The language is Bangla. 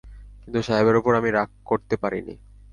কিন্তু সাহেবের উপর আমি রাগ করতে পারি নি।